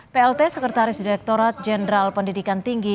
plt sekretaris direkturat jenderal pendidikan tinggi